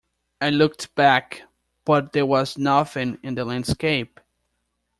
I looked back, but there was nothing in the landscape.